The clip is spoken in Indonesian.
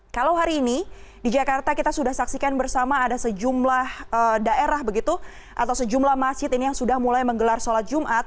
kalau hari ini di jakarta kita sudah saksikan bersama ada sejumlah daerah begitu atau sejumlah masjid ini yang sudah mulai menggelar sholat jumat